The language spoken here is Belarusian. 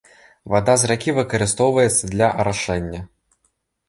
Вада з ракі выкарыстоўваецца для арашэння.